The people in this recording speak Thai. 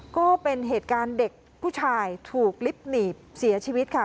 ก็เป็นเหตุการณ์เด็กผู้ชายถูกลิฟต์หนีบเสียชีวิตค่ะ